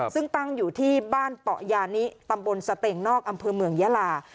ซึ่งตั้งอยู่ที่บ้านเปาะยานิตำบลสเตงนอกอำเภอเมืองยาลา